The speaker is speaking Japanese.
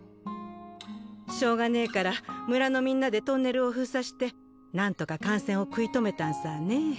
しょうがねぇから村のみんなでトンネルを封鎖してなんとか感染を食い止めたんさぁね。